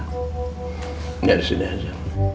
nggak disini aja